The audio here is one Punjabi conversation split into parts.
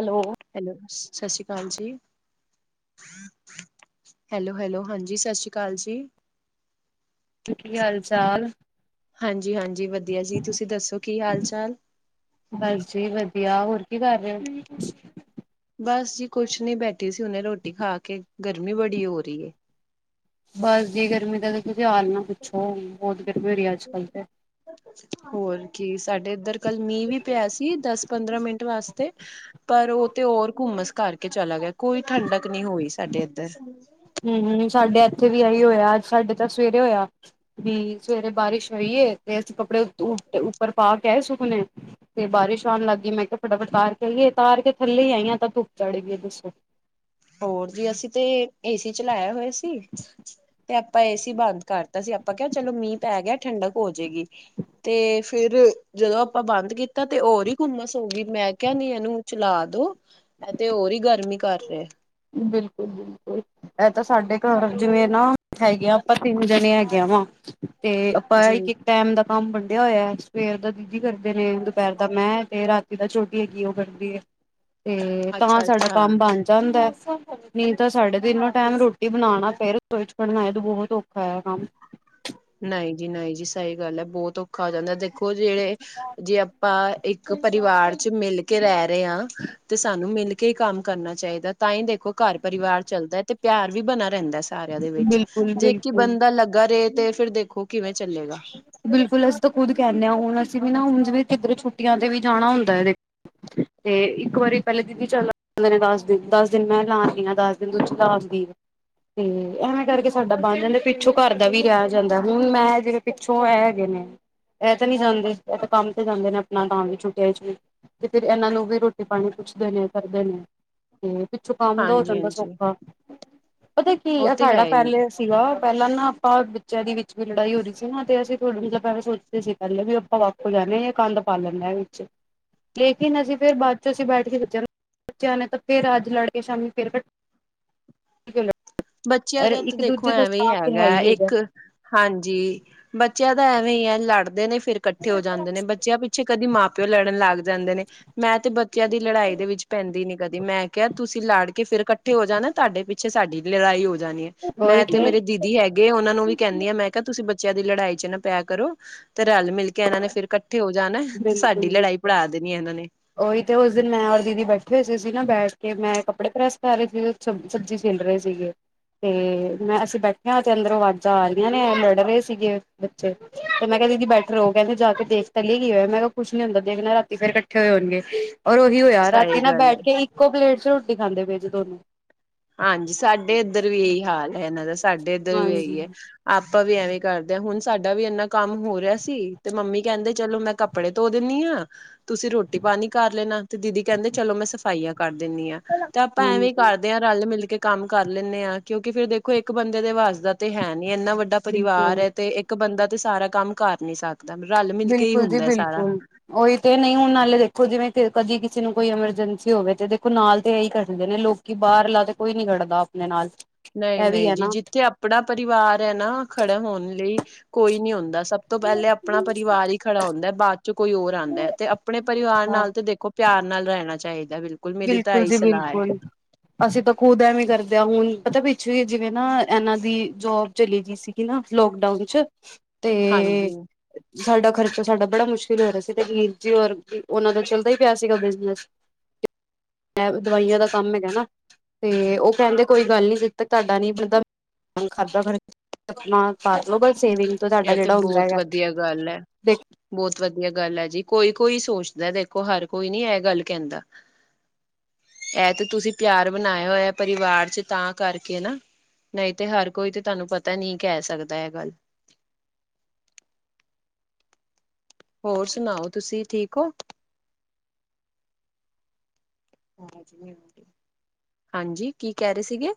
ਹੈਲੋ ਹੈਲੋ ਸ਼ਤਿ ਸ਼੍ਰੀ ਅਕਾਲ ਜੀ ਹੈਲੋ ਹੈਲੋ ਹਾਂਜੀ ਸਤਿ ਸ੍ਰੀ ਅਕਾਲ ਜੀ ਹੁਣ ਕੀ ਹਾਲ ਚਾਲ ਹਾਂਜੀ ਹਾਂਜੀ ਵਧੀਆ ਜੀ ਤੁਸੀਂ ਦੱਸੋ ਕੀ ਹਾਲ ਚਾਲ ਬਸ ਜੀ ਵਧੀਆ ਹੋਰ ਕੀ ਕਰ ਰਹੇ ਹੋ ਬਸ ਜੀ ਕੁਛ ਨੀ ਬੈਠੀ ਸੀ ਹੁਣੇ ਰੋਟੀ ਖਾ ਕੇ, ਗਰਮੀ ਬੜੀ ਹੋ ਰਹੀ ਏ ਬਸ ਜੀ ਗਰਮੀ ਦਾ ਤਾਂ ਤੁਸੀਂ ਹਾਲ ਨਾ ਪੁੱਛੋ, ਬਹੁਤ ਗਰਮੀ ਹੋ ਰਹੀ ਹੈ ਅੱਜ 'ਕੱਲ ਤੇ ਹੋਰ ਕੀ, ਸਾਡੇ ਇੱਧਰ ਕੱਲ ਮੀਂਹ ਵੀ ਪਿਆ ਸੀ ਦਸ ਪੰਦਰਾਂ ਮਿੰਟ ਵਾਸਤੇ ਪਰ ਉਹ ਤੇ ਹੋਰ ਘੁੰਮਸ ਕਰਕੇ ਚਲਾ ਗਿਆ। ਕੋਈ ਠੰਡਕ ਨਹੀਂ ਹੋਈ ਸਾਡੇ ਇੱਧਰ ਹੂ ਹੂ, ਸਾਡੇ ਇੱਥੇ ਵੀ ਇਹੀ ਹੋਇਆ ਅੱਜ ਸਾਡੇ ਤਾਂ ਸਵੇਰੇ ਹੋਇਆ ਵੀ ਸਵੇਰੇ ਬਾਰਿਸ਼ ਹੋਈਏ, ਤੇ ਅਸੀਂ ਕੱਪੜੇ ਉ ਟ ਉ ਟ ਉੱਪਰ ਪਾ ਕੇ ਆਏ ਸੁਕਣੇ ਤੇ ਬਾਰਿਸ਼ ਆਉਣ ਲੱਗ ਗਈ ਮੈਂ ਕਿਹਾ ਫਟਾਫਟ ਉਤਾਰ ਕੇ ਆਇਏ, ਉਤਾਰ ਕੇ ਥੱਲੇ ਹੀ ਆਈ ਆ ਤਾਂ ਧੁੱਪ ਚੜ ਗਈ ਏ ਦੱਸੋ। ਹੋਰ ਜੀ, ਅਸੀਂ ਤੇ ਏ ਸੀ ਚਲਾਇਆ ਹੋਇਆ ਸੀ। ਤੇ ਆਪਾਂ ਏ ਸੀ ਬੰਦ ਕਰਤਾ ਸੀ, ਆਪਾਂ ਕਿਹਾ ਚਲੋ ਮੀਂਹ ਪੈ ਗਿਆ ਠੰਡਕ ਹੋ ਜਾਏਗੀ। ਤੇ ਫਿਰ ਜਦੋਂ ਆਪਾਂ ਬੰਦ ਕੀਤਾ ਤੇ ਹੋਰ ਹੀ ਘੁੰਮਸ ਹੋਗੀ, ਮੈਂ ਕਿਹਾ ਨਹੀਂ ਇਹਨੂੰ ਚਲਾ ਦੋ। ਐ ਤੇ ਹੋਰ ਹੀ ਗਰਮੀ ਕਰ ਰਿਹਾ। ਬਿਲਕੁਲ ਜੀ। ਐ ਤਾਂ ਸਾਡੇ ਘਰ ਜਿਵੇਂ ਨਾ, ਹੈਗੇ ਆਪਾਂ ਤਿੰਨ ਜਨੇ ਹੈਗੇ ਆ ਵਾ। 'ਤੇ ਆਪਾਂ ਜੀ ਇੱਕ-ਇਕ ਟੈਮ ਦਾ ਕੰਮ ਵਡਿੰਆ ਹੋਇਐ, ਸਵੇਰ ਦਾ ਦੀਦੀ ਕਰਦੇ ਨੇ, ਦੁਪਹਿਰ ਦਾ ਮੈਂ ਤੇ ਰਾਤੀ ਦਾ ਛੋਟੀ ਹੈਗੀ ਉਹ ਕਰਦੀ ਐ। 'ਤੇ, ਤਾਂ ਅੱਛਾ ਸਾਡਾ ਅੱਛਾ ਕੰਮ ਬੰਨ ਜਾਂਦੈ। ਨਈਂ ਤਾਂ ਸਾਡੇ ਤਿੰਨੋ ਟਾਈਮ ਰੋਟੀ ਬਨਾਨਾ, ਫਿਰ ਰਸੋਈ 'ਚ ਵੜਨਾ ਏ ਤੇ ਬੋਤ ਔਖਾ ਐ ਕੰਮ। ਨਈਂ ਜੀ, ਨਈਂ ਜੀ ਸਹੀ ਗੱਲ ਐ, ਬਹੁਤ ਔਖਾ ਆ ਜਾਂਦੈ, ਦੇਖੋ ਜਿਹੜੇ ਜੇ ਆਪਾਂ ਇੱਕ ਪਰਿਵਾਰ 'ਚ ਮਿਲ ਕੇ ਰੈ ਰੇਅ ਆ 'ਤੇ ਸਾਨੂੰ ਮਿਲ ਕੇ ਈ ਕੰਮ ਕਰਨਾ ਚਾਈਦੈ। ਤਾਂ ਈ ਦੇਖੋ ਘਰ ਪਰਿਵਾਰ ਚੱਲਦੈ 'ਤੇ ਪਿਆਰ ਵੀ ਬਨਾ ਰੈਂਦਾ ਸਾਰਿਆਂ ਦੇ ਵਿੱਚ, ਬਿਲਕੁਲ ਜੇ ਇੱਕ ਈ ਬਿਲਕੁਲ ਬੰਦਾ ਲੱਗਾ ਰੇ 'ਤੇ ਫਿਰ ਦੇਖੋ ਕਿਵੇਂ ਚੱਲੇਗਾ। ਬਿਲਕੁਲ, ਅਸੀਂ ਤਾਂ ਖੁਦ ਕੈਂਨੇ ਆ, ਹੁਨ ਅਸੀਂ ਵੀ ਨਾ ਹੁਨ ਜਿਵੇਂ ਕਿੱਧਰੇ ਛੁੱਟੀਆਂ 'ਤੇ ਵੀ ਜਾਨਾ ਹੁੰਦੈ ਵੇ। 'ਤੇ ਇੱਕ ਵਾਰੀ ਪਹਿਲੇ ਦੀਦੀ ਚੱਲ ਜਾਂਦੇ ਨੇ ਦਸ ਦਿਨ, ਦਸ ਦਿਨ ਮੈਂ ਲਾ ਆਨੀ ਆ, ਦਸ ਦਿ ਫਿਰ ਦੂਜੀ ਲਾ ਆਂਦੀ ਏ। 'ਤੇ ਐਵੇਂ ਕਰਕੇ ਸਾਡਾ ਬਨ ਜਾਂਦੈ, ਫਿਰ ਪਿੱਛੋਂ ਘਰ ਦਾ ਵੀ ਰਹਿ ਜਾਂਦੈ ਹੁਨ ਮੈਂ ਜਿਵੇਂ ਪਿੱਛੋਂ ਐ ਹੈਗੇ ਨੇ, ਐ ਤੇ ਨੀ ਜਾਂਦੇ, ਐ ਤਾਂ ਕੰਮ ਤੇ ਜਾਂਦੇ ਨੇ, ਆਪਨਾ ਤਾਂ ਵੀ ਛੁੱਟਿਆ 'ਚ ਵੀ। 'ਤੇ ਫਿਰ ਏਨਾਂ ਨੂੰ ਵੀ ਰੋਟੀ-ਪਾਣੀ ਪੁੱਛਦੇ ਨੇ ਕਰਦੇ ਨੇ। ਹੂੰ ਤੇ ਪਿੱਛੋਂ ਕੰਮ ਦਾ ਹੋ ਹਾਂਜੀ ਜਾਂਦਾ ਹਾਂਜੀ ਸੌਖਾ, ਪਤਾ ਕੀ ਉਹ ਐ ਤੇ ਸਾਡਾ ਹੈ ਹੀ ਪਹਿਲੇ ਸੀਗਾ ਪਹਿਲਾਂ ਨਾ ਆਪਾਂ ਬੱਚਿਆਂ ਦੀ ਵਿੱਚ ਵੀ ਲੜਾਈ ਹੋਜੂ 'ਤੇ ਨਾ, ਤੇ ਅਸੀਂ ਥੋੜਾ ਮਤਲਬ ਐਂਵੇਂ ਸੋਚਦੇ ਸੀ ਪਹਿਲੇ ਵੀ ਆਪਾਂ ਵੱਖ ਹੋ ਜਾਨੇ ਆ, ਕੰਧ ਪਾ ਲੈਨੇ ਆ ਵਿੱਚ। ਲੇਕਿਨ ਅਸੀਂ ਫਿਰ ਬਾਦ 'ਚੋਂ ਅਸੀਂ ਬੈਠ ਕੇ ਬੱਚਿਆਂ ਨੂੰ ਬੱਚਿਆਂ ਨੇ ਤਾਂ ਫੇਰ ਅੱਜ ਲੜ ਕੇ ਸ਼ਾਮੀ ਫੇਰ ਕੱ ਬੱਚਿਆਂ ਲੜ ਦਾ ਤਾਂ ਇੱਕ ਦੇਖੋ ਦੂਜੇ ਦਾ ਐਵੇਂ ਸਾਥ ਤੇ ਹੈ ਹੈਗਾ ਐ ਹੀ ਇੱਕ ਹਾਂਜੀ, ਬੱਚਿਆਂ ਦਾ ਐਵੇਂ ਈ ਐ ਲੜਦੇ ਨੇ ਫਿਰ ਕੱਠੇ ਹੋ ਹੈਗਾ ਜਾਂਦੇ ਨੇ ਬੱਚਿਆਂ ਪਿੱ ਪਿੱਛੇ ਕਦੀ ਮਾਂ ਪਿਓ ਲੜਨ ਲੱਗ ਜਾਂਦੇ ਨੇ, ਮੈਂ ਤੇ ਬੱਚਿਆਂ ਦੀ ਲੜਾਈ ਦੇ ਵਿੱਚ ਪੈਂਦੀ ਨੀ ਕਦੀ, ਮੈਂ ਕੇਆ ਤੁਸੀਂ ਲੜ ਕੇ ਫਿਰ ਕੱਠੇ ਹੋ ਜਾਨੈ, ਤੁਹਾਡੇ ਪਿੱਛੇ ਸਾਡੀ ਲੜਾਈ ਹੋ ਜਾਨੀ ਏ। ਮੈਂ ਤੇ ਮੇਰੇ ਦੀਦੀ ਹੈਗੇ, ਉਨਾਂ ਨੂੰ ਵੀ ਕੈਨੀ ਆ। ਮੈਂ ਕੇਆ, ਹਾ ਤੁਸੀਂ ਬੱਚਿਆਂ ਦੀ ਲੜਾਈ 'ਚ ਨਾ ਪਿਆ ਕਰੋ। 'ਤੇ ਰਲ-ਮਿਲ ਕੇ ਇਨਾਂ ਨੇ ਫਿਰ ਕੱਠੇ ਹੋ ਜਾਨੈ ਤੇ ਸਾਡੀ ਲੜਾਈ ਪੜ੍ਹਾ ਦੇਨੀ ਇਨਾਂ ਨੇ। ਓਈ ਤੇ ਉਸ ਦਿਨ ਮੈਂ ਔਰ ਦੀਦੀ ਬੈਠੇ ਹੋਏ ਸੀ ਅਸੀਂ ਨਾ ਬੈਠ ਕੇ ਮੈਂ ਕੱਪੜੇ ਪ੍ਰੈਸ ਕਰ ਰਏ ਸੀ ਜਦ। ਸਬ ਸਬਜ਼ੀ ਛਿਲ ਰਹੇ ਸੀਗੇ। ਤੇ ਮੈਂ ਅਸੀਂ ਬੈਠਿਆ ਤੇ ਅੰਦਰੋਂ ਆਵਾਜ਼ਾਂ ਆ ਰਹੀਆਂ ਨੇ ਲੜ ਰਹੇ ਸੀਗੇ ਬ 'ਤੇ ਮੈ ਕੇਆ, ਦੀਦੀ ਬੈਠੇ ਰਹੋ। ਕੈਂਦੇ, ਜਾ ਕੇ ਦੇਖ ਤਾਂ ਲਈਏ‌, ਮੈਂ ਕੇਆ, ਕੁੱਛ ਨੀ ਹੁੰਦਾ ਦੇਖਨਾ, ਰਾਤੀ ਫੇਰ ਕੱਠ ਕੱਠੇ ਹੋਏ ਹੋਨਗੇ, ਔਰ ਓਹੀ ਹੋਇਆ ਸਹੀ ਰਾਤੀ ਨਾ ਗੱਲ ਹੈ ਬੈਠ ਕੇ ਇੱਕੋ ਪਲੇਟ 'ਚ ਰੋਟੀ ਖਾਂਦੇ ਪਏ ਸੀ ਦੋਨੋ। ਹਾਂਜੀ ਸਾਡੇ ਇੱਧਰ ਵੀ ਏਹੀ ਹਾਲ ਐ ਇਨਾਂ ਦਾ, ਸਾਡੇ ਇੱਧਰ ਵੀ ਏਹੀ ਹਾਂਜੀ ਐ। ਆਪਾਂ ਵੀ ਐਵੇਂ ਕਰਦੇ, ਹੁਨ ਸਾਡਾ ਵੀ ਇੰਨਾ ਕੰਮ ਹੋ ਰੇਆ ਸੀ ਤੇ ਮੰਮੀ ਕਹਿੰਦੇ, ਚਲੋ, ਮੈਂ ਕੱਪ ਕੱਪੜੇ ਧੋ ਦਿੰਨੀ ਆ, ਤੁਸੀਂ ਰੋਟੀ-ਪਾਨੀ ਕਰ ਲੈਨਾ 'ਤੇ ਦੀਦੀ ਕੈਂਦੇ, ਚਲੋ, ਮੈਂ ਸਫਾਈਆਂ ਕਰ ਦਿੰਨੀ ਆ। ਤਾਂ ਆਪਾਂ ਐਵੇਂ ਈ ਹਾਂਜੀ ਕਰਦੇ ਆ ਰਲ-ਮਿਲ ਕੇ ਕੰਮ ਕਰ ਲੈਨੇ ਆ, ਕਿਉਂਕਿ ਫੇਰ ਦੇਖੋ‌, ਇੱਕ ਬੰਦੇ ਦੇ ਵੱਸ ਦਾ ਤੇ ਹੈਨੀ ਇੰਨਾ ਵੱਡਾ ਬਿਲਕੁਲ ਪਰਿਵਾਰ ਐ ਤੇ ਇੱਕ ਬੰਦਾ ਤੇ ਸਾਰਾ ਕੰਮ ਕਰ ਨੀ ਸਕਦਾ, ਰਲ-ਮਿਲ ਕੇ ਈ ਹੁੰਦੈ ਸਾਰਾ। ਓਹੀ ਤੇ, ਨਈਂ ਹੁਨ ਨਾਲੇ ਦੇਖੋ, ਜਿਵੇਂ ਕਦੀ ਕਿਸੇ ਨੂੰ ਕੋਈ ਐਮਰਜੈਂਸੀ ਹੋਵੇ ਤੇ ਦੇਖੋ, ਨਾਲ ਤੇ ਏਈ ਕਰਦੇ ਨੇ ਲੋਕ ਕਿ ਬਾਹਰਲਾ ਤੇ ਕੋਈ ਨੀ ਖੜਦਾ ਆਪਨੇ ਨਾਲ। ਇਹ ਵੀ ਨਈ-ਨਈ ਹੈ ਜੀ, ਨਾ। ਜਿੱਥੇ ਆਪਨਾ ਪਰਿਵਾਰ ਐ ਨਾ, ਖੜੇ ਹੋਨ ਲਈ ਕੋਈ ਨੀ ਹੁੰਦਾ, ਸਭ ਤੋਂ ਪਹਿਲੇ ਆਪਣਾ ਪਰਿਵਾਰ ਈ ਖੜਾ ਹੁੰਦੈ, ਬਾਦ 'ਚ ਕੋਈ ਹੋਰ ਆਂਦੈ 'ਤੇ ਆਪਣੇ ਪਰਿਵਾਰ ਹਾਂ ਨਾਲ ਤੇ, ਦੇਖੋ ਪਿਆਰ ਨਾਲ ਰਹਿਨਾ ਚਾਈਦੈ ਬਿਲਕੁਲ। ਮੇਰੀ ਤਾਂ ਬਿਲਕੁਲ ਇਹੀ ਜੀ ਸਲਾਹ ਹੈ ਬਿਲਕੁਲ। ਅਸੀਂ ਤਾਂ ਖੁਦ ਐਵੇਂ ਕਰਦੇ ਆ, ਹੁਨ ਪਤਾ ਪਿੱਛੋਂ ਈ ਜਿਵੇਂ ਨਾ ਏਨਾਂ ਦੀ ਜੋਬ ਚਲੀ ਗੀ ਸੀਗੀ ਨਾ ਲੋਕਡਾਊਨ ਚ ਤੇ ਹਾਂਜੀ ਸਾਡਾ ਖਰਚਾ ਸਾਡਾ ਬੜਾ ਮੁਸ਼ਕਿਲ ਹੋ ਰਿਆ ਸੀ, ਤੇ ਵੀਰ ਜੀ ਔਰ ਓਹਨਾਂ ਦਾ ਚੱਲਦਾ ਈ ਪਿਆ ਸੀਗਾ ਬਿਜਨਸ। ਐਵ ਦਵਾਈਆਂ ਦਾ ਕੰਮ ਹੈਗਾ ਨਾ, ਤੇ ਓਹ ਕੈੰਦੇ ਕੋਈ ਗੱਲ ਨੀ ਜਦ ਤੱਕ ਤਾਡਾ ਨੀ ਬਣਦਾ ਹੋਣ ਖਾਦਾ ਭਰ, ਅਪਣਾ ਕਰਲੋ ਬਈ ਸੇਵਿੰਗ ਤੋਂ ਤਾਡਾ ਇਹ ਜੇੜਾ ਹੁੰਦਾ ਹੈਗਾ। ਗੱਲ ਐ। ਦੇਖ ਬੌਤ ਵਧੀਆ ਗੱਲ ਐ ਜੀ, ਕੋਈ ਕੋਈ ਸੋਚਦੈ ਦੇਖੋ ਹਰ ਕੋਈ ਨੀ ਐਹ ਗੱਲ ਕੈੰਦਾ। ਐ ਤੇ ਤੁਸੀਂ ਪਿਆਰ ਬਣਾਇਆ ਹੋਇਐ ਪਰਿਵਾਰ ਚ ਤਾਂ ਕਰਕੇ ਨਾ। ਨਹੀਂ ਤੇ ਹਰ ਕੋਈ ਤੇ ਤੁਐਨੂੰ ਪਤੈ ਨੀ ਕੈਹ ਸਕਦਾ ਐਹ ਗੱਲ। ਹੋਰ ਸੁਣਾਓ, ਤੁਸੀਂ ਠੀਕ ਓ? ਹਾਂਜੀ, ਕੀ ਕੈ ਰੇ ਸੀਗੇ?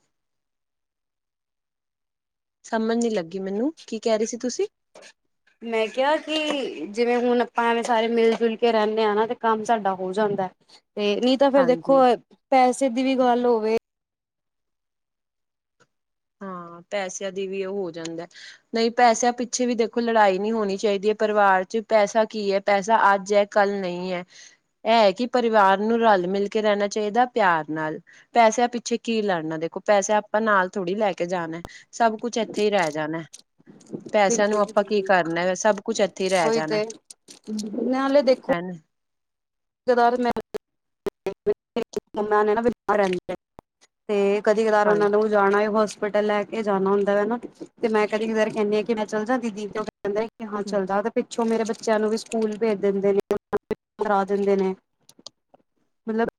ਸਮਝ ਨੀ ਲੱਗੀ ਮੈਨੂੰ, ਕੀ ਕੈ ਰੇ ਸੀ ਤੁਸੀਂ? ਮੈਂ ਕਿਆ ਕਿ ਜਿਵੇਂ ਹੁਣ ਅਪਾਂ ਐਵੇਂ ਸਾਰੇ ਮਿਲ-ਜੁਲ ਕੇ ਰੈਣੇ ਆਂ ਨਾ, ਤੇ ਕੰਮ ਸਾਡਾ ਹੋ ਜਾਂਦੈ। ਏਹ ਨੀ ਤਾਂ ਫੇਰ ਦੇਖੋ ਹਾਂਜੀ। ਪੈਸੇ ਦੀ ਵੀ ਗੱਲ ਹੋਵੇ ਹਾਂ, ਪੈਸਿਆਂ ਦੀ ਵੀ ਓਹ ਹੋ ਜਾਂਦੈ। ਨਹੀਂ, ਪੈਸਿਆਂ ਪਿੱਛੇ ਵੀ ਦੇਖੋ ਲੜਾਈ ਨੀ ਹੋਣੀ ਚਾਈਦੀ ਐ ਪਰਿਵਾਰ ਚ, ਪੈਸਾ ਕੀ ਐ। ਪੈਸਾ ਅੱਜ ਐ, ਕੱਲ ਨਹੀਂ ਐ। ਐਹ ਐ ਕਿ ਪਰਿਵਾਰ ਨੂੰ ਰਲ-ਮਿਲ ਕੇ ਰੈਣਾ ਚਾਈਦੈ ਪਿਆਰ ਨਾਲ। ਪੈਸਿਆਂ ਪਿੱਛੇ ਕੀ ਲੜਨਾ, ਦੇਖੋ ਪੈਸਾ ਆਪਾਂ ਨਾਲ ਥੋੜੀ ਲੈ ਕ ਕੇ ਜਾਣੈ ਸਭ ਕੁਛ ਐਥੇ ਈ ਰੈਹ ਜਾਣੈ। ਪੈਸਿਆਂ ਨੂੰ ਬਿਲਕੁਲ ਜੀ ਆਪਾਂ ਕੀ ਬਿਲਕੁਲ ਕਰਨੈ, ਸਭ ਕੁਛ ਐਥੇ ਈ ਰੈਹ ਜਾਣੈ। ਨਾਲ਼ੇ ਦੇਖੋ ਗਦਾਰੇ ਮੈ [unintelligible] ਤੇ ਕਦੀ-ਕਦਾਰ ਹਾਂ ਓਹਨਾਂ ਨੂੰ ਵੀ ਜਾਣਾ ਏ ਹੋਸਪਿਟਲ, ਲੈ ਕੇ ਜਾਣਾ ਹੁੰਦਾ ਐ ਨਾ, ਤੇ ਮੈਂ ਕਦੀ-ਕਦਾਰ ਕੈਣੀ ਆਂ ਕਿ ਮੈਂ ਚੱਲ ਜਾਂ ਦੀਦੀ ਕੈੰਦੇ ਏ ਕਿ ਹਾਂ ਚਲਜਾ ਤੇ ਪਿੱਛੋਂ ਮੇਰੇ ਬੱਚਿਆਂ ਨੂੰ ਵੀ ਸਕੂਲ ਭੇਜ ਦਿੰਦੇ ਨੇ [unintelligible] ਕਰਾ ਦਿੰਦੇ ਨੇ। ਮਲਬ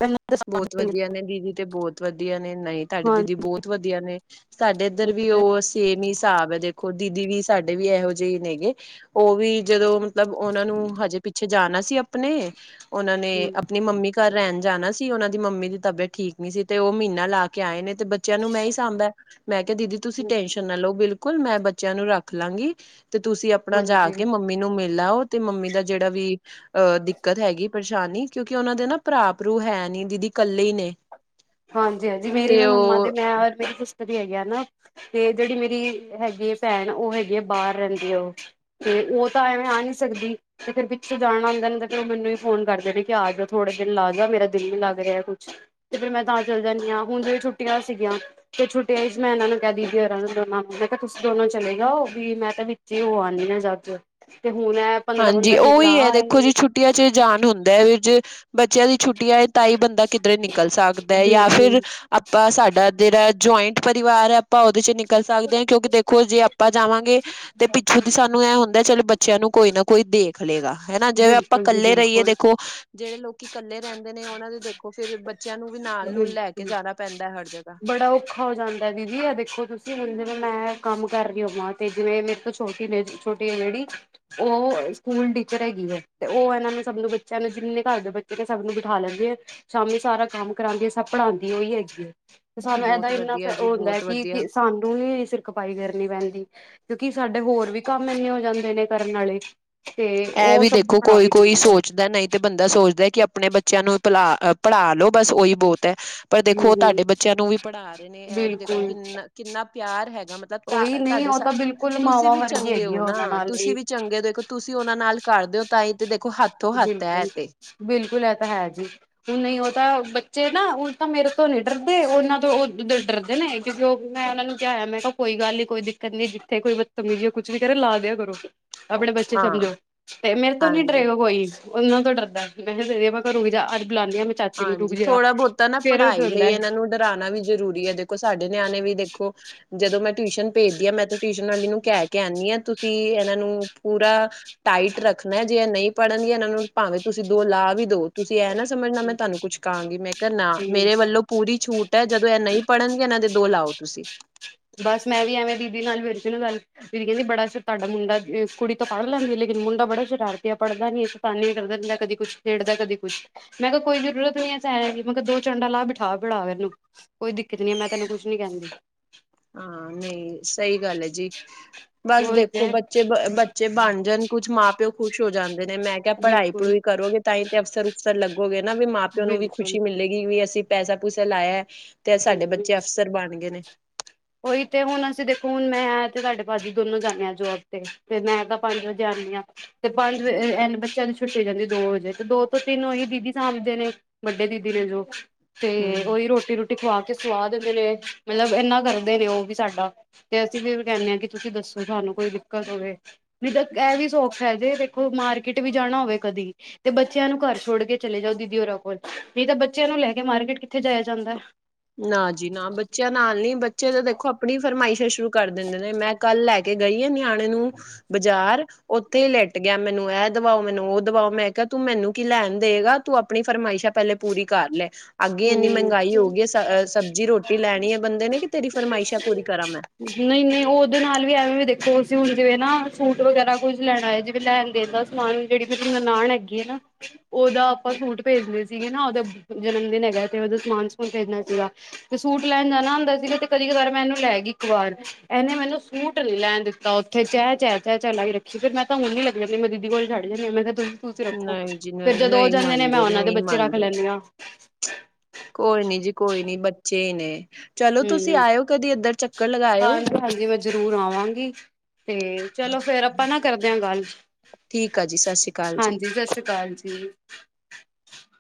ਬੌਤ ਵਧੀਆ ਨੇ, ਦੀਦੀ ਤੇ ਬੌਤ ਵਧੀਆ ਨੇ, ਨਹੀਂ ਤਾਡੇ ਦੀਦੀ ਬੌਤ ਵਧੀਆ ਨੇ। ਸਾਡੇ ਇੱਧਰ ਵੀ ਹਾਂਜੀ ਓਹਸ ਤੇਮ ਈ ਸਾਬ ਐ ਦੇਖੋ ਦੀਦੀ ਵੀ ਸਾਡੇ ਵੀ ਐਹੋ ਜੇ ਈ ਨੇਗੇ। ਓਹ ਵੀ ਜਦੋਂ ਮਤਲਬ ਓਹਨਾਂ ਨੂੰ ਹਜੇ ਪਿੱਛੇ ਜਾਣਾ ਸੀ ਅਪਣੇ, ਓਹਨਾਂ ਨੇ ਅਪਣੀ ਮੰਮੀ ਘਰ ਰੈਣ ਜਾਣਾ ਸ ਤੀ ਓਹਨਾ ਦੀ ਮੰਮੀ ਦੀ ਤਬੀਅਤ ਠੀਕ ਨੀ ਸੀ। ਤੇ ਓਹ ਮੀਨਾ ਲਾ ਕੇ ਆਏ ਨੇ, ਤੇ ਬੱਚਿਆਂ ਨੂੰ ਮੈਂ ਈ ਸਾਂਭਿਐ। ਮੈਂ ਕਿਆ ਦੀਦੀ ਤੁਸੀਂ ਟੈਨਸ਼ਨ ਨਾ ਲੋ ਬਿਲਕੁਲ, ਮੈਂ ਬੱਚਿਆਂ ਨੂੰ ਰੱਖ ਲਾਂਗੀ। ਤੇ ਤੁਸੀਂ ਅਪਣਾ ਜਾ ਕੇ ਹਾਂਜੀ ਮੰਮੀ ਨੂੰ ਮਿਲ ਆਓ ਤੇ ਮੰਮੀ ਦਾ ਜੇੜਾ ਵੀ ਅਹ ਦਿੱਕਤ ਹੈਗੀ ਪਰੇਸ਼ਾਨੀ ਕਿਉਂਕਿ ਓਹਨਾਂ ਦੇ ਨਾ ਭਰਾ-ਭਰੂ ਹੈ ਨੀ ਦੀਦੀ ਕੱਲੇ ਈ ਨੇ। ਹਾਂਜੀ ਹਾਂਜੀ, ਮੇਰੀ ਤੇ ਵੀ ਮੰਮਾ ਤੇ ਉਹ ਮੈਂ ਔਰ ਮੇਰੀ ਖੁ ਕਦੀ ਹੈਗੇ ਆ ਨਾ ਤੇ ਜੇੜੀ ਮੇਰੀ ਹੈਗੀ ਏ ਭੈਣ ਓਹ ਹੈਗੀ ਏ ਬਾਰ ਰੈੰਦੀ ਐ ਓਹ। ਤੇ ਓ ਤਾਂ ਐਵੇਂ ਆ ਨੀ ਸਕਦੀ। ਤੇ ਫੇਰ ਪਿੱਛੋਂ ਜਾਣਾ ਹੁੰਦਾ ਨੇ ਤੇ ਫਿਰ ਓਹ ਮੈਨੂੰ ਈ ਫੋਨ ਕਰਦੇ ਨੇ ਕੇ ਆਜਾ, ਥੋੜੇ ਦਿਨ ਲਾ ਜਾ, ਮੇਰਾ ਦਿਲ ਵੀ ਲੱਗ ਰਿਆ ਯਾ ਕੁਛ। ਤੇ ਫਿਰ ਮੈਂ ਤਾਂ ਚੱਲ ਜਾਣੀ ਆਂ, ਹੁਣ ਜਿਵੇ ਛੁੱਟੀਆਂ ਸੀਗੀਆਂ ਤੇ ਛੁੱਟੀਆਂ ਇਚ ਮੈਂ ਇਹਨਾਂ ਨੂੰ ਕਿਆ ਦੀਦੀ ਔਰਾ ਨੂੰ ਦੋਨਾਂ ਨੂੰ, ਮੈਂ ਕਿਆ ਤੁਸੀਂ ਦੋਨੋ ਚਲੇ ਜਾਓ ਵੀ ਮੈਂ ਤੇ ਜੇ ਓਹ ਆਣਗੇ ਨਾ ਜੱਦ ਤੇ ਹੁਣ ਐਹ ਹਾਂਜੀ, ਓਈ ਐ ਦੇਖੋ ਜੀ ਛੁੱਟੀਆਂ ਚ ਜਾਨ ਹੁੰਦੈ ਵੀਰ ਜ ਬੱਚਿਆਂ ਦੀ ਛੁੱਟੀਆ ਏ ਤਾਂਈ ਬੰਦਾ ਕਿਧਰੇ ਨਿਕਲ ਸਕਦੈ ਯਾ ਬਿਲਕੁਲ ਫਿਰ ਪਰ ਸਾਡਾ ਜੇੜਾ ਜੋਇੰਟ ਪਰਿਵਾਰ ਐ ਅਪਾਂ ਓਹਦੇ ਚ ਨਿਕ ਕਲ ਸਕਦੇ ਆਂ, ਕਿਉਂਕਿ ਦੇਖੋ ਜੇ ਆਪਾਂ ਜਾਵਾਂਗੇ ਤੇ ਪਿੱਛੋਂ ਦੀ ਸਾਨੂੰ ਐਹ ਹੁੰਦੈ ਚਲੋ ਬੱਚਿਆਂ ਨੂੰ ਕੋਈ ਨਾ ਕੋਈ ਦੇਖ ਲਏਗਾ ਹਨਾ, ਜਿਵੇਂ ਆਪਾਂ ਬਿਲਕੁਲ ਜੀ ਇਕੱਲੇ ਰਹੀਏ ਬਿਲਕੁਲ, ਦੇਖੋ। ਜਿਹੜੇ ਲੋਕੀ ਇਕੱਲੇ ਰਹਿੰਦੇ ਨੇ ਉਹਨਾਂ ਨੂੰ ਦੇਖੋ, ਫਿਰ ਬੱਚਿਆਂ ਨੂੰ ਵੀ ਨਾਲ ਨੂੰਲ ਲੈ ਕੇ ਬਿਲਕੁਲ। ਜਾਣਾ ਪੈਂਦਾ ਹਰ ਜਗ੍ਹਾ ਬੜਾ ਔਖਾ ਹੋ ਜਾਂਦਾ ਦੀਦੀ ਆ ਦੇਖੋ ਤੁਸੀਂ ਹੁਣ ਜਿਵੇਂ ਮੈਂ ਕੰਮ ਕਰ ਰਹੀ ਹੋਵਾਂ ਤੇ ਜਿਵੇਂ ਮੇਰੇ ਤੋਂ ਛੋਟੀ ਬੇਟੀ ਛੋਟੀ ਅਹ ਜਿਹੜੀ ਉਹ ਸਕੂਲ ਟੀਚਰ ਹੈਗੀ ਹੈ ਤੇ ਉਹ ਇਹਨਾਂ ਨੇ ਸਭ ਨੂੰ ਬੱਚਿਆਂ ਨੂੰ ਜਿੰਨੇ ਘਰ ਦੇ ਬੱਚੇ ਸਭ ਨੂੰ ਬਿਠਾ ਲੈਂਦੀ ਏ। ਸ਼ਾਮੀ ਸਾਰਾ ਕੰਮ ਕਰਾਉਂਦੀ ਹੈ ਸਭ ਪੜ੍ਹਾਉਦੀ ਉਹੀ ਹੈਗੀ ਏ ਤੇ ਸਾਨੂੰ ਇਹਦਾ ਬਹੁਤ ਇੰਨਾ ਫੈ ਵਧੀਆ ਜੀ ਹੁੰਦਾ ਹੈ ਬਹੁਤ ਵਧੀਆ। ਕਿ ਸਾਨੂੰ ਵੀ ਖਪਾਈ ਕਰਨੀ ਪੈਂਦੀ ਕਿਉਂਕਿ ਸਾਡੇ ਹੋਰ ਵੀ ਕੰਮ ਇੰਨੇ ਹੋ ਜਾਂਦੇ ਨੇ ਕਰਨ ਆਲੇ ਤੇ ਇਹ ਉਹ ਵੀ ਸਬ ਨੂੰ ਦੇਖੋ ਪੜਾ ਕੋਈ ਵੀ ਕੋਈ ਦਿੰਦੀ ਐ ਸੋਚਦਾ ਨਹੀਂ ਤੇ ਬੰਦਾ ਸੋਚਦਾ ਕਿ ਆਪਣੇ ਬੱਚਿਆਂ ਨੂੰ ਪਲਾ ਪੜ੍ਹਾ ਲੋ ਬਸ ਉਹੀ ਬਹੁਤ ਹੈ। ਪਰ ਦੇਖੋ ਹੂੰ, ਉਹ ਹੂੰ ਤੁਹਾਡੇ ਬੱਚਿਆਂ ਨੂੰ ਵੀ ਪੜ੍ਹਾ ਰਹੇ ਨੇ ਇਹ ਵੀ ਦੇਖੋ ਬਿਲਕੁਲ ਕਿੰਨਾ ਕਿੰਨਾ ਪਿਆਰ ਹੈਗਾ ਮਤਲਬ। ਤਾਂ ਉਹੀ ਨਹੀਂ ਤਹਾਡੇ ਉਹ ਤਾਂ ਬਿਲਕੁਲ ਤੁਸੀਂ ਮਾਵਾਂ ਵੀ ਵਰਗੀ ਚੰਗੇ ਹੈਗੀ ਹੋ ਨਾ ਉਹਨਾਂ ਨਾਲ ਤੁਸੀਂ ਵੀ ਚੰਗੇ ਦੇਖੋ ਤੁਸੀਂ ਉਹਨਾਂ ਨਾਲ ਕਰਦੇਓ ਤਾਂ ਹੀ ਤੇ ਦੇਖੋ ਹੱਥੋ ਹੱਥ ਹੈ ਬਿਲਕੁਲ ਤੇ। ਬਿਲਕੁਲ ਇਹ ਤਾਂ ਹੈ ਜੀ। ਹੁਣ ਨਹੀਂ ਉਹ ਤਾਂ ਬੱਚੇ ਨਾ ਤਾਂ ਮੇਰੇ ਤੋਂ ਨਹੀਂ ਡਰਦੇ ਉਹਨਾਂ ਤੋਂ ਉਹ ਡਰਦੇ ਨੇ ਕਿਉਂਕਿ ਉਹ ਮੈਂ ਉਹਨਾਂ ਨੂੰ ਕਿਹਾਇਆ ਮੈਂ ਕਿਹਾ ਕੋਈ ਗੱਲ ਨੀ ਕੋਈ ਦਿੱਕਤ ਨੀ ਜਿੱਥੇ ਕੋਈ ਬਦਤਮੀਜੀ ਕੋਈ ਕੁਛ ਵੀ ਕਰੇ ਲਾ ਦਿਆ ਕਰੋ ਕਿ ਆਪਣੇ ਬੱਚੇ ਹਾਂ ਸਮਝੋ ਤੇ ਮੇਰੇ ਤੋਂ ਨੀ ਹਾਂਜੀ। ਡਰੇ ਹੋ ਕੋਈ ਉਹਨਾਂ ਤੋਂ ਡਰਦਾ ਮੈਂ ਕਿਹਾ ਘਰੋਂ ਵੀ ਅੱਜ ਬੁਲਾਉਦੀ ਹਾਂ ਮੈਂ ਚਾਚੀ ਨੂੰ ਰੁਕ ਹਾਂਜੀ ਜਾ ਥੋੜਾ ਬਹੁਤਾ ਨਾ ਫੇਰ ਉਹ ਪੜ੍ਹਾਈ ਲਈ ਹੁੰਦਾ ਇਹਨਾਂ ਨੂੰ ਡਕ ਪੜਾਣਾ ਵੀ ਜਰੂਰੀ ਹੈ ਦੇਖੋ ਸਾਡੇ ਨਿਆਣੇ ਵੀ ਦੇਖੋ ਜਦੋਂ ਮੈਂ ਟਿਊਸ਼ਨ ਭੇਜਦੀ ਆ ਮੈਂ ਤੇ ਟਿਊਸ਼ਨ ਵਾਲੀ ਨੂੰ ਕਹਿ ਕੇ ਆਨੀ ਆ ਤੁਸੀਂ ਇਹਨਾਂ ਨੂੰ ਪੂਰਾ ਟਾਈਟ ਰੱਖਣਾ ਜੇ ਇਹ ਨਹੀਂ ਪੜ੍ਹਨ ਦੀ ਇਹਨਾਂ ਨੂੰ ਭਾਵੇਂ ਤੁਸੀਂ ਦੋ ਲਾਹ ਵੀ ਦਓ ਤੁਸੀਂ ਇਹ ਨਾ ਸਮਝਣਾ ਮੈਂ ਤੁਹਾਨੂੰ ਕੁੱਛ ਕਹਾਂਗੀ ਮੈਂ ਕਿਹਾ ਨਾ ਹੂੰ ਮੇਰੇ ਵੱਲੋਂ ਪੂਰੀ ਛੂਟ ਹੈ ਜਦੋਂ ਇਹ ਨਹੀਂ ਪੜ੍ਹਨਗੇ ਇਹਨਾਂ ਦੇ ਦੋ ਲਾਓ ਤੁਸੀਂ ਬਸ ਮੈਂ ਵੀ ਐਵੇਂ ਦੀਦੀ ਨਾਲ ਨਬੇੜਤੀ ਗੱਲ ਦੀਦੀ ਕਹਿੰਦੀ ਬੜਾ ਸਰਾ ਤੁਹਾਡਾ ਮੁੰਡਾ ਕੁੜੀ ਤਾ ਪੜ ਲੈਂਦੀ ਲੇਕਿਨ ਮੁੰਡਾ ਬੜਾ ਸ਼ਰਾਰਤੀ ਐ ਪੜਦਾ ਨਈ ਏ ਤਾਂ ਸਤਾਨੀ ਕਰਦਾ ਰਹਿੰਦਾ ਕਦੀ ਕੁੱਛ ਛੇੜਦਾ ਕਦੀ ਕੁੱਛ ਮੈਂ ਕਿਹਾ ਕੋਈ ਜ਼ਰੂਰਤ ਨੀ ਹੈ ਸੇਹ ਲੇਣ ਮੈਂ ਕਿਹਾ ਦੋ ਚੰਡਾ ਲਾਹ ਬਿਠਾ ਪੜਾ ਇਹਨੂੰ ਕੋਈ ਦਿੱਕਤ ਨੀ ਐ ਮੈਂ ਤੇ ਇਹਨੂੰ ਕੁਛ ਨੀ ਕਹਿੰਦੀ ਹਾਂ ਨਹੀਂ ਸਹੀ ਗੱਲ ਹੈ ਜੀ ਬਸ ਉਹੀ ਦੇਖੋ ਤੇ ਬੱਚੇ ਬ ਬੱਚੇ ਬਣ ਜਾਣ ਕੁੱਝ ਮਾਂ ਪਿਓ ਖੁਸ਼ ਹੋ ਜਾਂਦੇ ਨੇ ਮੈਂ ਕਿਹਾ ਪੜ੍ਹਾਈ ਬਿਲਕੁਲ ਪੜੂਈ ਕਰੋਗੇ ਤਾਂ ਹੀ ਤੇ ਅਫਸਰ ਅਫਸੁਰ ਲੱਗੋਗੇ ਨਾ ਵੀ ਮਾਂ ਪਿਓ ਨੂੰ ਵੀ ਖੁਸ਼ੀ ਬਿਲਕੁਲ ਮਿਲੇਗੀ ਵੀ ਅਸੀਂ ਪੈਸਾ ਪੂਸਾ ਲਾਇਆ ਤੇ ਸਾਡੇ ਹਮ। ਬੱਚੇ ਅਫਸਰ ਬਣ ਗਏ ਨੇ ਉਹੀ ਤੇ ਹੁਣ ਅਸੀਂ ਦੇਖੋ ਹੁਣ ਮੈਂ ਤੇ ਤੁਹਾਡੇ ਭਾਜੀ ਦੋਨੋਂ ਜਾਂਦੇ ਹਾਂ ਜੋਬ ਤੇ ਤੇ ਮੈਂ ਤਾਂ ਪੰਜ ਵਜੇ ਆਦੀਆਂ। ਤੇ ਪੰਜ ਵਜੇ ਐਨ ਬੱਚਿਆਂ ਦੀ ਛੁ ਛੁੱਟੀ ਹੋ ਜਾਂਦੀ ਦੋ ਵਜੇ ਤੇ ਦੋ ਤੋਂ ਤਿੰਨ ਉਹੀ ਦੀਦੀ ਸਾਂਮਦੇ ਨੇ ਵੱਡੇ ਦੀਦੀ ਨੇ ਜੋ ਤੇ ਹਮ ਉਹੀ ਰੋਟੀ ਰੂਟੀ ਖਵਾ ਕੇ ਸਵਾ ਦਿੰਦੇ ਨੇ ਮਤਲਬ ਇੰਨਾ ਕਰਦੇ ਨੇ ਉਹ ਵੀ ਸਾਡਾ ਤੇ ਅਸੀਂ ਵੀ ਕਹਿੰਦੇ ਹਾਂ ਕਿ ਤੁਸੀਂ ਵੀ ਦੱਸੋ ਸਾਨੂੰ ਕੋਈ ਦਿੱਕਤ ਹੋਵੇ ਤੇ ਇਹ ਵੀ ਸੌਖ ਹੈ ਜੇ ਦੇਖੋ ਮਾਰਕੀਟ ਵੀ ਜਾਣਾ ਹੋਵੇ ਕਦੀ ਤੇ ਬੱਚਿਆਂ ਨੂੰ ਘਰ ਛੋੜ ਕੇ ਚਲੇ ਜਾਓ ਦੀਦੀ ਹੋਰਾਂ ਕੋਲ ਨਹੀਂ ਤਾਂ ਬੱਚਿਆਂ ਨੂੰ ਲੈ ਕੇ ਮਾਰਕੀਟ ਕਿੱਥੇ ਜਾਇਆ ਜਾਂਦਾ ਨਾ ਜੀ ਨਾ ਬੱਚਿਆਂ ਨਾਲ ਨੀ ਬੱਚੇ ਤਾਂ ਦੇਖੋ ਆਪਣੀ ਫਰਮਾਇਸ਼ ਹੈ ਸ਼ੁਰੂ ਕਰ ਦਿੰਦੇ ਨੇ ਮੈਂ ਕੱਲ ਲੈ ਕੇ ਗਈ ਆ ਨਿਆਣੇ ਨੂੰ ਬਾਜ਼ਾਰ ਉੱਥੇ ਹੀ ਲੇਟ ਗਿਆ ਮੈਨੂੰ ਇਹ ਦਵਾਓ ਮੈਨੂੰ ਉਹ ਦਵਾਓ ਮੈਂ ਕਿਹਾ ਤੂੰ ਮੈਨੂੰ ਕੀ ਲੈਣ ਦੇਗਾ ਤੂੰ ਆਪਣੀ ਫਰਮਾਇਸ਼ਾਂ ਪਹਿਲੇ ਪੂਰੀ ਕਰ ਲੈ ਅੱਗੇ ਇੰਨੀ ਹਮ ਮਹਿੰਗਾਈ ਹੋ ਗਈ ਐ ਸਬਜ਼ੀ ਰੋਟੀ ਲੈਣੀ ਹੈ ਬੰਦੇ ਨੇ ਕਿ ਤੇਰੀ ਫਰਮਾਇਸ਼ਾਂ ਪੂਰੀ ਕਰਾਂ ਮੈਂ ਨਈ-ਨਈ ਉਦੇ ਨਾਲ ਵੀ ਐਵੇਂ ਵੀ ਦੇਖੋ ਅਸੀਂ ਹੁਣ ਜਿਵੇਂ ਨਾ ਸੂਟ ਵਗੈਰਾ ਕੁਝ ਲੈਣ ਆਏ ਸੀ ਜਿਵੇਂ ਲੈਣ ਦੇਣ ਦਾ ਨਾਲ ਜੇੜੀ ਮੇਰੀ ਨਨਾਣ ਹੈਗੀ ਏ ਨਾ। ਉਦਾ ਆਪਾਂ ਸੂਟ ਭੇਜਣੇ ਸੀਗੇ ਨਾ ਉਦਾ ਜਨਮ ਦਿਨ ਹੈਗਾ ਤੇ ਉਦਾ ਸਮਾਨ ਸੁਮਾਨ ਭੇਜਣਾ ਸੀਗਾ। ਤੇ ਸੂਟ ਲੈਣ ਜਾਣਾ ਹੁੰਦਾ ਸੀਗਾ ਤੇ ਕਦੀ ਕਦਾਰ ਮੈਂ ਇਨੂੰ ਲੈ ਗਈ ਇੱਕ ਵਾਰ ਇਨੇ ਮੈਨੂੰ ਸੂਟ ਨੀ ਲੈਣ ਦਿੱਤ ਤਾਂ ਉੱਥੇ ਚੈ-ਚੈ-ਚੈ-ਚੈ ਲਾਈ ਰੱਖੀ ਫੇਰ ਮੈਂ ਤਾਂ ਹੁਣ ਵੀ ਲੈ ਕੇ ਜਾਂਦੀ ਮੈਂ ਦੀਦੀ ਕੋਲ ਛੱਡ ਜਾਂਦੀ ਮੈਂ ਕਿਆ ਤੁਸੀ ਤੁਸੀਂ ਰੱਖੋ ਨਹੀਂ ਜੀ ਫਿਰ ਨਹੀਂ ਜਦੋਂ ਓ ਨਹੀਂ ਜਾਂਦੇ ਨੇ ਮੈਂ ਮੰਨਦੇ ਉਨਾਂ ਦੇ ਨਹੀਂ ਬੱਚੇ ਰੱਖ ਮੰਨਦੇ ਲੈਂਣੀ ਆਂ। ਕੋਈ ਨੀ ਜੀ ਕੋਈ ਨੀ ਬੱਚੇ ਈ ਨੇ ਚਲੋ ਤੁਸੀਂ ਹਮ ਆਇਓ ਕਦੀ ਇੱਧਰ ਚੱਕਰ ਲਗਿਉ। ਹਾਂਜੀ ਹਾਂਜੀ ਮੈਂ ਜਰੂਰ ਆਵਾਂਗੀ ਤੇ ਚਲੋ ਫਿਰ ਆਪਾਂ ਨਾ ਕਰਦੇ ਆਂ ਗੱਲ ਠੀਕ ਆ ਜੀ ਸਤਿ ਸ੍ਰੀ ਅਕਾਲ ਜੀ ਹਾਂਜੀ ਸਤਿ ਸ੍ਰੀ ਅਕਾਲ ਜੀ।